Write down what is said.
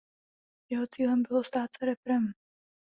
Jeho cílem bylo stát se rapperem.